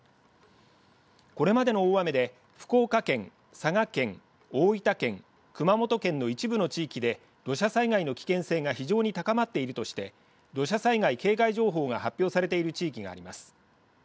これまでの大雨で福岡県、佐賀県大分県、熊本県の一部の地域で土砂災害の危険性が非常に高まっているとして土砂災害警戒情報が発表されている地域があります。